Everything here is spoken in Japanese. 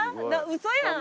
嘘やん！